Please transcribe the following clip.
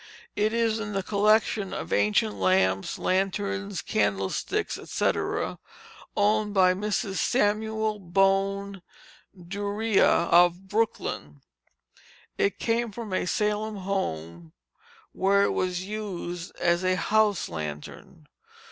It is in the collection of ancient lamps, lanterns, candlesticks, etc., owned by Mrs. Samuel Bowne Duryea, of Brooklyn. It came from a Salem home, where it was used as a house lantern.